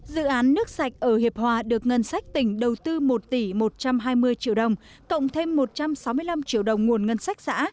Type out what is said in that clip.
dự án nước sạch ở hiệp hòa được ngân sách tỉnh đầu tư một tỷ một trăm hai mươi triệu đồng cộng thêm một trăm sáu mươi năm triệu đồng nguồn ngân sách xã